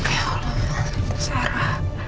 ya allah tante sarah